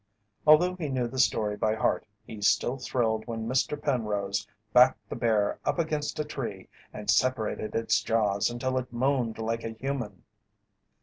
Although he knew the story by heart he still thrilled when Mr. Penrose backed the bear up against a tree and separated its jaws until it "moaned like a human."